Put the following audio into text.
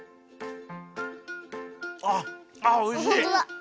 あっあっおいしい。